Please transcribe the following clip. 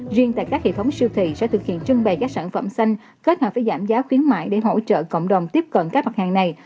riêng tại các hệ thống siêu thị sẽ thực hiện trưng bày các sản phẩm xanh kết hợp với giảm giá khuyến mại để hỗ trợ cộng đồng tiếp cận các mặt hàng này